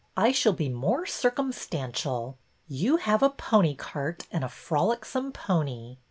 I shall be more circumstantial. You have a pony cart and a frolicsome pony.